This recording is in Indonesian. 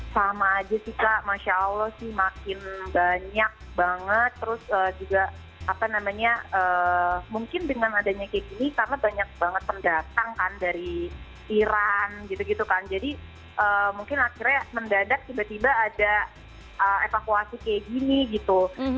sama aja sih kak masya allah sih makin banyak banget terus juga apa namanya mungkin dengan adanya kayak gini karena banyak banget pendatang kan dari iran gitu gitu kan jadi mungkin akhirnya mendadak tiba tiba ada evakuasi kayak gini gitu